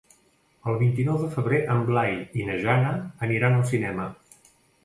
El vint-i-nou de febrer en Blai i na Jana aniran al cinema.